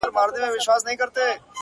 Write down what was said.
ستا ټولي كيسې لوستې،